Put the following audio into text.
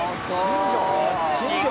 「新庄？」